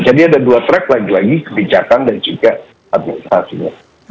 jadi ada dua track lagi lagi kebijakan dan juga administrasinya